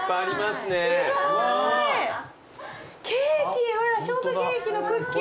すごい！ほらショートケーキのクッキー。